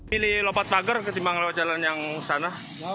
milih lompat pagar ketimbang jalan yang sana